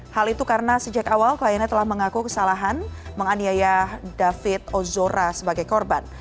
hal itu karena sejak awal kliennya telah mengaku kesalahan menganiaya david ozora sebagai korban